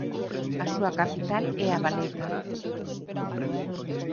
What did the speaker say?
A súa capital é A Valeta.